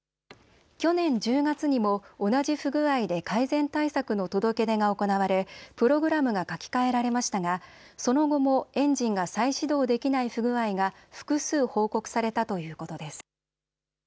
去年１０月にも同じ不具合で改善対策の届け出が行われプログラムが書き換えられましたが、その後もエンジンが再始動できない不具合が複数、報告されたということです。